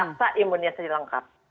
untuk imunisasi lengkap